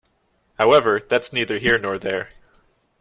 However, that’s neither here nor there.